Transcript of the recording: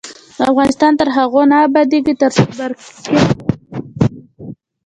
افغانستان تر هغو نه ابادیږي، ترڅو برقی حکومت جوړ نشي.